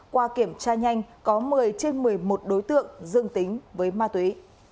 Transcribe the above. qua kiểm tra nhanh có một mươi trên một mươi một đối tượng dương tính với ma túy